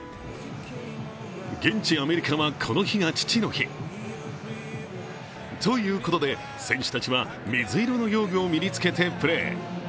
現地、アメリカはこの日が父の日ということで、選手たちは水色の用具を身に着けてプレー。